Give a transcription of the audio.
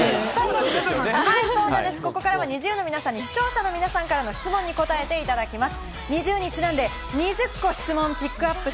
そうなんです、ここからはＮｉｚｉＵの皆さんに視聴者の皆さまからの質問に答えていただきます。